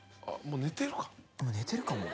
寝てるかも。